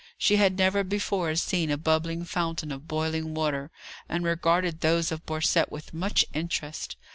She had never before seen a bubbling fountain of boiling water, and regarded those of Borcette with much interest.